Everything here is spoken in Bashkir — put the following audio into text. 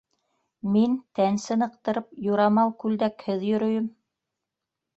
Мин, тән сыныҡтырып, юрамал күлдәкһеҙ йөрөйөм.